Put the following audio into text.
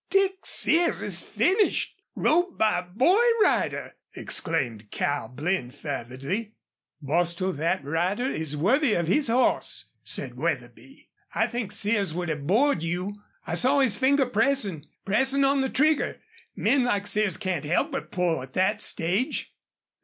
"Dick Sears's finish! Roped by a boy rider!" exclaimed Cal Blinn, fervidly. "Bostil, that rider is worthy of his horse," said Wetherby. "I think Sears would have bored you. I saw his finger pressing pressing on the trigger. Men like Sears can't help but pull at that stage."